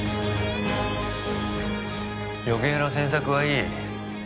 余計な詮索はいい。